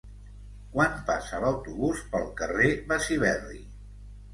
Quan passa l'autobús pel carrer Besiberri?